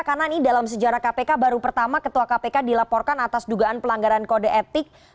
karena ini dalam sejarah kpk baru pertama ketua kpk dilaporkan atas dugaan pelanggaran kode etik